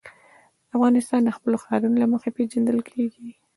افغانستان د خپلو ښارونو له مخې پېژندل کېږي.